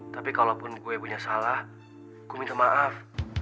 tapi kalaupun gue punya salah ku minta maaf